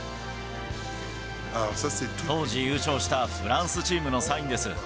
当時優勝したフランスチームのサインです。